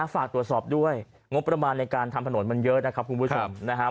ฝากตรวจสอบด้วยงบประมาณในการทำถนนมันเยอะนะครับคุณผู้ชมนะครับ